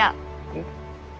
うん？